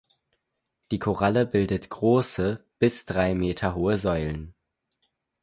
Die Koralle bildet große, bis drei Meter hohe Säulen.